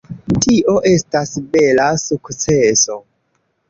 Tio estas bela sukceso.